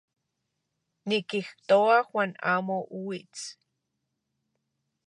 Nikijtoa Juan amo uits.